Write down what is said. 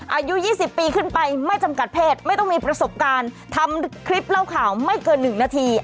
อายุ๒๐ปีขึ้นไปไม่จำกัดเพศไม่ต้องมีประสบการณ์ทำคลิปเล่าข่าวไม่เกิน๑นาที